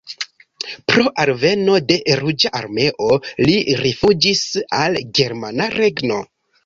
Pro alveno de Ruĝa Armeo li rifuĝis al Germana Regno.